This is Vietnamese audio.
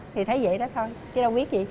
thì thấy vậy đó thôi chứ đâu biết gì